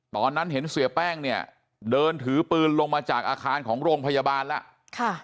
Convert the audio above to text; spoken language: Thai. ตอนนั้นเห็นเสียแป้งเนี่ยเดินถือปืนลงมาจากอาคารของโรงพยาบาลแล้ว